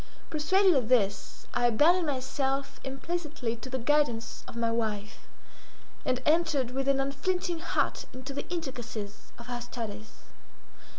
Persuaded of this, I abandoned myself implicitly to the guidance of my wife, and entered with an unflinching heart into the intricacies of her studies.